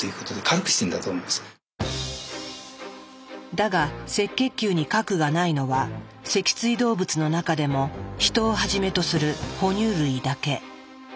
だが赤血球に核がないのは脊椎動物の中でもヒトをはじめとする哺乳類だけ。